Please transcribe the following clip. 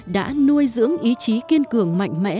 đã nuôi dưỡng ý chí kiên cường mạnh mẽ